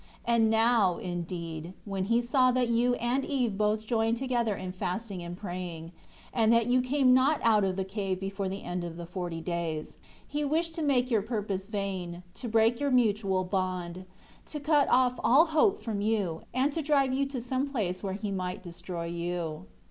And now, indeed, when he saw that you and Eve both joined together in fasting and praying, and that you came not out of the cave before the end of the forty days, he wished to make your purpose vein, to break your mutual bond; to cut off all hope from you, and to drive you to some place where he might destroy you.